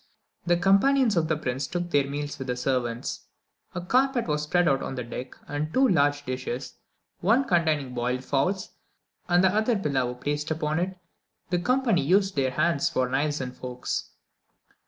The companions of the prince took their meals with the servants. A carpet was spread out upon the deck, and two large dishes, one containing boiled fowls, and the other pillau, placed upon it; the company used their hands for knives and forks.